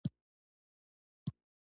خانان او قومي مشران خیانت کوي.